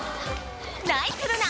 ナイスルナ！